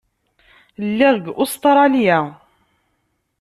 Lliɣ deg Ustṛalya.